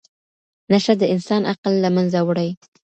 نشه د انسان عقل له منځه وړي.